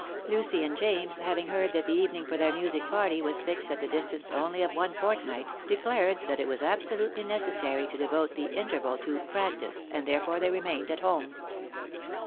Lucy and James, having heard that the evening for their music party was fixed at the distance only of one fortnight, declared that it was absolutely necessary to devote the interval to " practice,*' and therefore they remained at home.